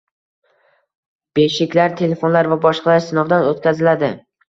Beshiklar, telefonlar va boshqalar sinovdan o'tkaziladi.